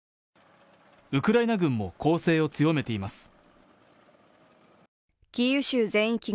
ウクライナ軍も攻勢を強めています。